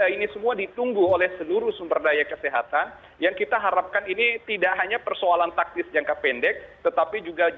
ini semua ditunggu oleh seluruh sumber daya kesehatan yang kita harapkan ini tidak hanya persoalan taktis jangka pendek tetapi juga